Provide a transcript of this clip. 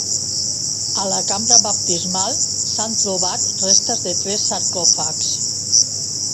A la cambra baptismal s'han trobat restes de tres sarcòfags.